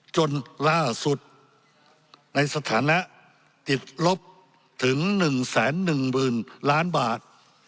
จนล่าสุดในสถานะติดลบถึง๑๑๐๐๐ล้านบาท